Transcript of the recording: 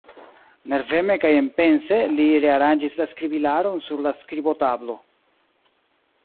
Nerveme kaj enpense li rearanĝis skribilaron sur la skribotablo.